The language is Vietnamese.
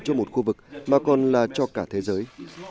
cho một khu vực mà còn là cho cả thế giới